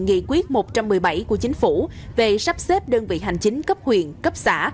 nghị quyết một trăm một mươi bảy của chính phủ về sắp xếp đơn vị hành chính cấp huyện cấp xã